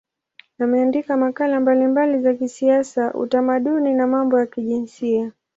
Ameandika makala mbalimbali za kisiasa, utamaduni na mambo ya kijinsia.